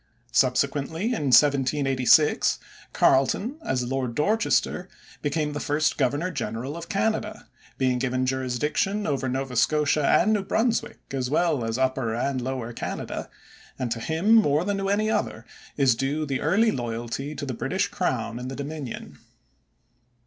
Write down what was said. Subsequently, in 1786, Carleton, as Lord Dorchester, became the first governor general of Canada, being given jurisdiction over Nova Scotia and New Brunswick as well as Upper and Lower Canada, and to him more than to any other is due the early loyalty to the British crown in the Dominion.